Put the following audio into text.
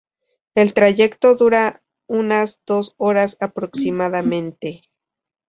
El Trayecto dura unas dos horas aproximadamente.